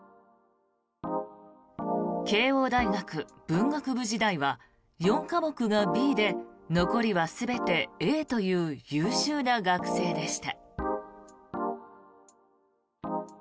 慶應大学文学部時代は４科目がＢで残りは全てＡという優秀な学生でした。